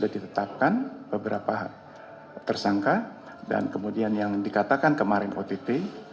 kita akan menangkapkan beberapa tersangka dan kemudian yang dikatakan kemarin otp